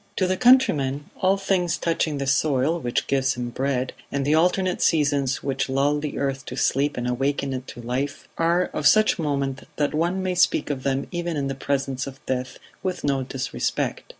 To the countryman, all things touching the soil which gives him bread, and the alternate seasons which lull the earth to sleep and awaken it to life, are of such moment that one may speak of them even in the presence of death with no disrespect.